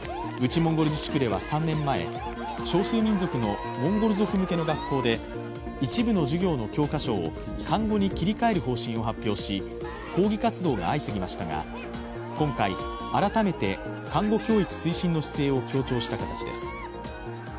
モンゴル自治区では３年前、少数民族のモンゴル族向けの学校で一部の授業の教科書を漢語に切り替える方針を発表し抗議活動が相次ぎましたが今回改めて、漢語教育推進の姿勢を強調した形です。